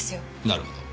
なるほど。